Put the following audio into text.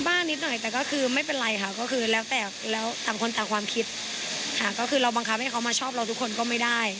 บ้างนิดหน่อยแต่ก็คือไม่เป็นไรค่ะก็คือแล้วแต่แล้วต่างคนต่างความคิดค่ะก็คือเราบังคับให้เขามาชอบเราทุกคนก็ไม่ได้